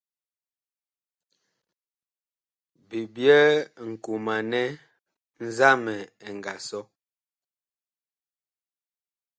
Bi byɛɛ nkomanɛ nzamɛ ɛ nga sɔ.